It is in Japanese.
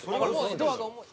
ドアが重い。